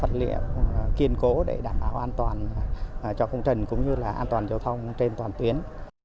vật liệu kiên cố để đảm bảo an toàn cho công trình cũng như là an toàn giao thông trên toàn tuyến